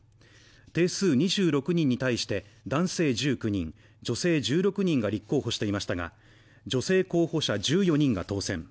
定数２６人に対して、男性１９人、女性１６人が立候補していましたが女性候補者１４人が当選。